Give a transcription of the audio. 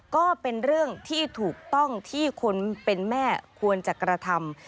ก็เป็นเรื่องที่ถูกต้องที่คนเป็นแม่ควรจะกระทำ